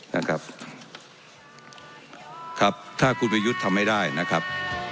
นะครับครับถ้าคุณประยุทธ์ทำไม่ได้นะครับ